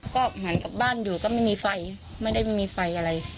ก็หันกลับบ้านอยู่ก็ไม่มีไฟไม่ได้มีไฟอะไร